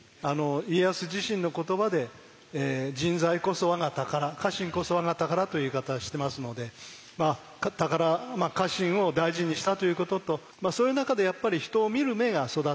家康自身の言葉で「人材こそ我が宝家臣こそ我が宝」という言い方してますので宝まあ家臣を大事にしたということとそういう中でやっぱり人を見る目が育った。